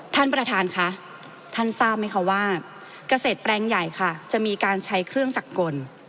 ท่านประธานค่ะท่านทราบไหมคะว่าเกษตรแปลงใหญ่ค่ะจะมีการใช้เครื่องจักรกล